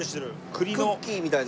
クッキーみたいな。